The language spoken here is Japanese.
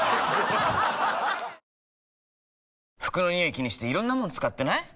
服のニオイ気にしていろんなもの使ってない？